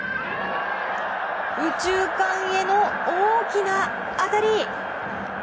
右中間への大きな当たり。